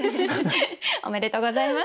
おめでとうございます。